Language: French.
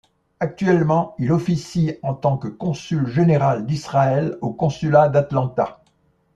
Actuellement, il officie en tant que consul général d'Israël au consulat d'Atlanta.